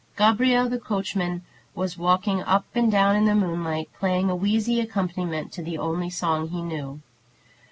Gabriel, the coachman, was walking up and down in the moonlight, playing a wheezy accompaniment to the only song he knew.